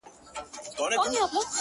• وخت به ازمېیلی یم ما بخت دی آزمېیلی ,